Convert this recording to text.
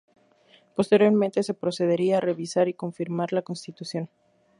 Posteriormente se procedería a revisar y confirmar la Constitución.